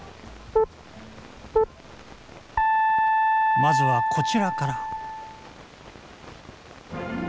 まずはこちらから。